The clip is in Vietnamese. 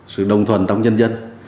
sự đồng thuần trong nhân dân